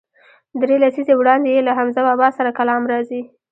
درې لسیزې وړاندې یې له حمزه بابا سره کلام راځي.